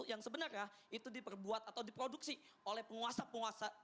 yang sebenarnya itu diperbuat atau diproduksi oleh penguasa penguasa